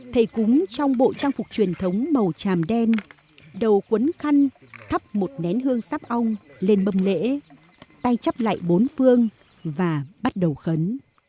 thầy cúng trong bộ trang phục truyền thống màu tràm đen đầu cuốn khăn thắp một nén hương sáp ông lên mâm lễ tay chắp lại bốn phương và bắt đầu khấn